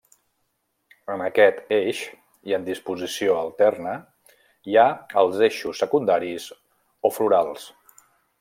En aquest eix, i en disposició alterna, hi ha els eixos secundaris o florals.